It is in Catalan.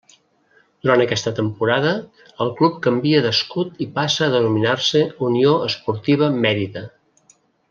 Durant aquesta temporada, el club canvia d'escut i passa a denominar-se Unió Esportiva Mèrida.